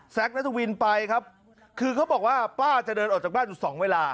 นัทวินไปครับคือเขาบอกว่าป้าจะเดินออกจากบ้านอยู่สองเวลา